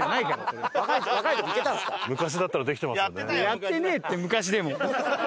やってねえって昔でも！